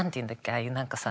ああいう何かさ